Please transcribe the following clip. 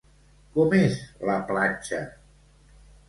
Com és la platja?